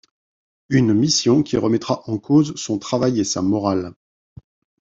Une mission qui remettra en cause son travail et sa morale.